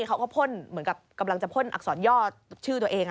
เขาก็พ่นเหมือนกับกำลังจะพ่นอักษรย่อชื่อตัวเอง